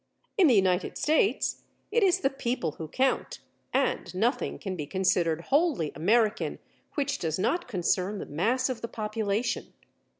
In the United States, it is the people who count and nothing can be considered wholly American which does not concern the mass of the population.